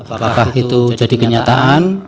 apakah itu jadi kenyataan